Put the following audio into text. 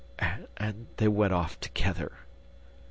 and they went off together...